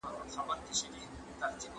د بازار هر بدلون مې په ډېر دقت سره تحلیل کړ.